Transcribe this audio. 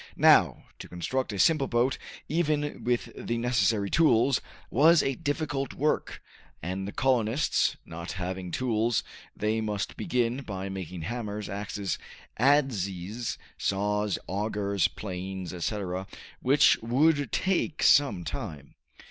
Now, to construct a simple boat even with the necessary tools, was a difficult work, and the colonists not having tools they must begin by making hammers, axes, adzes, saws, augers, planes, etc., which would take some time.